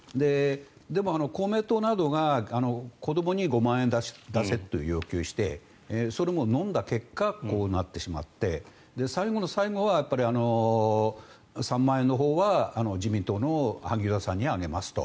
でも、公明党などが子どもに５万円出せと要求してそれものんだ結果こうなってしまって最後の最後は３万円のほうは自民党の萩生田さんにあげますと。